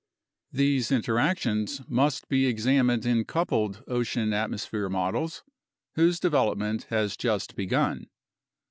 These interactions must be examined in coupled ocean atmosphere models, whose development has just begun.